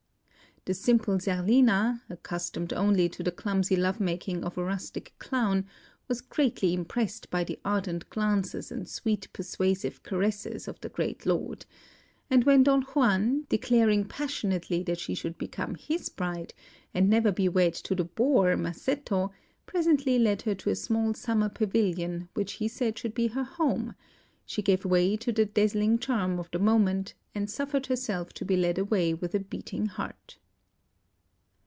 The simple Zerlina, accustomed only to the clumsy love making of a rustic clown, was greatly impressed by the ardent glances and sweet persuasive caresses of the great lord; and when Don Juan, declaring passionately that she should become his bride and never be wed to the boor, Masetto, presently led her to a small summer pavilion which he said should be her home, she gave way to the dazzling charm of the moment, and suffered herself to be led away with a beating heart.